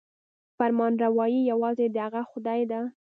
فرمانروايي یوازې د هغه خدای ده.